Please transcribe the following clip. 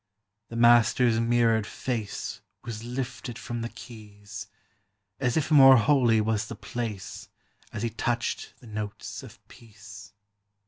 The Master's mirrored fnee \V;is lilted from the keys, As it' more holy was the place A Ik: touched the notes of peace.